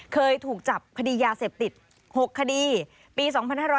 เคยถูกจับคดียาเสพติด๖คดีปี๒๕๕๙